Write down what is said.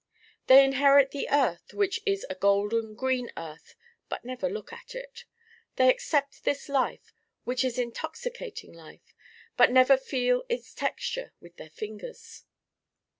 They inherit the earth, which is a Golden Green earth, but never look at it. They accept this life, which is Intoxicating life, but never feel its texture with their fingers.